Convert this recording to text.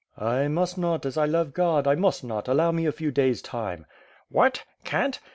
"I must not, as I love God! I must not; allow me a few days time." "What? Cant!